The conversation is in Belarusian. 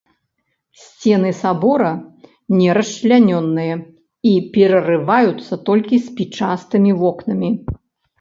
Сцены сабора не расчлянёныя і перарываюцца толькі спічастымі вокнамі.